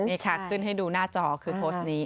นี่ค่ะขึ้นให้ดูหน้าจอคือโพสต์นี้